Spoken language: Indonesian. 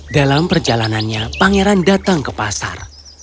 dalam perjalanannya pangeran datang ke pasar